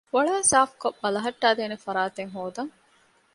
ފޮޅައި ސާފުކޮށް ބަލަހައްޓައިދޭނެ ފަރާތެއް ހޯދަން